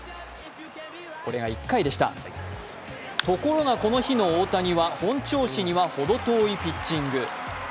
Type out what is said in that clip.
これが１回でしたところが、この日の大谷は本調子にはほど遠いピッチング。